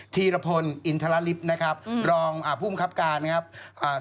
ธีรพลอินทรลาลิฟต์รองผู้มีความคับการ